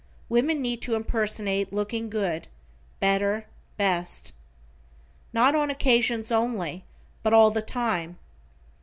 Women need to impersonate looking good, better, best. Not on occasions only, but all the time.